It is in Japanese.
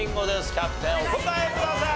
キャプテンお答えください！